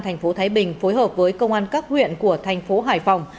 thành phố thái bình phối hợp với công an các huyện của thành phố hải phòng